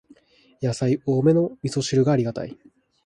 やさい多めのみそ汁がありがたい